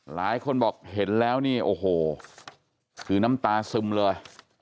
หลายคนบอกเห็นแล้วนี่โอ้โหคือน้ำตาซึมเลย